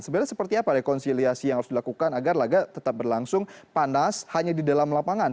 sebenarnya seperti apa rekonsiliasi yang harus dilakukan agar laga tetap berlangsung panas hanya di dalam lapangan